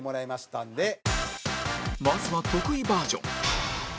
まずは徳井バージョン